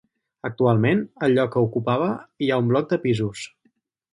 Actualment, al lloc que ocupava hi ha un bloc de pisos.